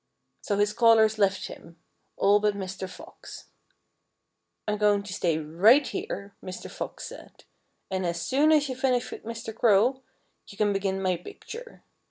So his callers left him all but Mr. Fox. "I'm going to stay right here," Mr. Fox said. "And as soon as you finish with Mr. Crow, you can begin my picture."